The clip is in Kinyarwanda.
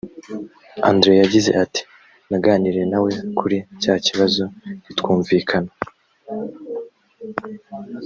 andre yagize ati naganiriye na we kuri cya kibazo ntitwumvikana